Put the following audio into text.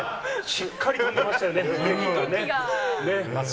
しっかり飛んでましたよね、げきがね。